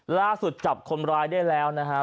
ล่าสุดจับคนร้ายได้แล้วนะครับ